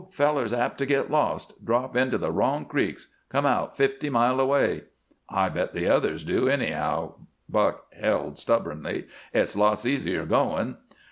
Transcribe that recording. Feller's apt to get lost. Drop into the wrong creek come out fifty mile away." "I bet the others do, anyhow," Buck held, stubbornly. "It's lots easier going."